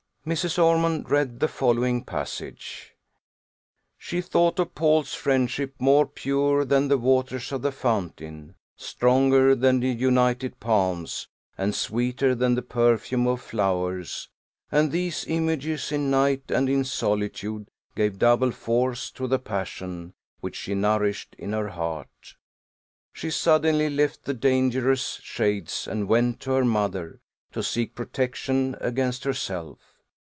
Mrs. Ormond read the following passage: "She thought of Paul's friendship, more pure than the waters of the fountain, stronger than the united palms, and sweeter than the perfume of flowers; and these images, in night and in solitude, gave double force to the passion which she nourished in her heart. She suddenly left the dangerous shades, and went to her mother, to seek protection against herself.